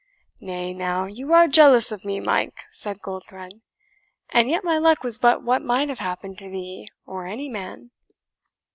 "Nay, now, you are jealous of me, Mike," said Goldthred; "and yet my luck was but what might have happened to thee, or any man."